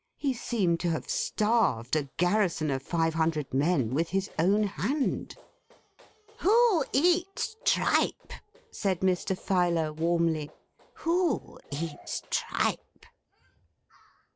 He seemed to have starved a garrison of five hundred men with his own hand. 'Who eats tripe?' said Mr. Filer, warmly. 'Who eats tripe?